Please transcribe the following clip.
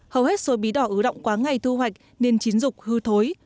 hầu hết số bí đỏ ứ động quá ngày thu hoạch nên chiến dục hư thối